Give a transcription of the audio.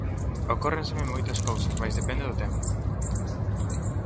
Ocórrenseme moitas cousas mais depende do tempo!